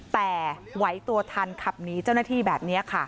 แต่ไหวตัวทันขับหนีเจ้าหน้าที่แบบนี้ค่ะ